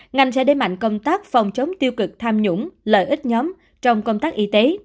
ngành sẽ đế mạnh công tác phòng chống tiêu cực tham nhũng lợi ích nhóm trong công tác y tế